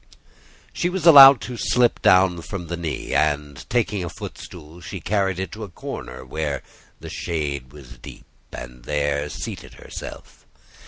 She was allowed to slip down from the knee, and taking a footstool, she carried it to a corner where the shade was deep, and there seated herself.